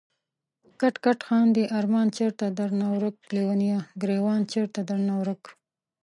کټ کټ خاندی ارمان چېرته درنه ورک ليونيه، ګريوان چيرته درنه ورک